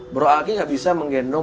bro alki gak bisa menggendong